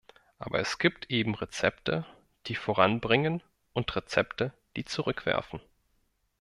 Aber es gibt eben Rezepte, die voranbringen, und Rezepte, die zurückwerfen.